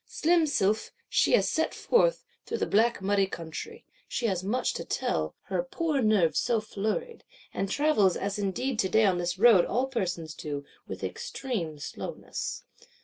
Slim sylph, she has set forth, through the black muddy country: she has much to tell, her poor nerves so flurried; and travels, as indeed today on this road all persons do, with extreme slowness.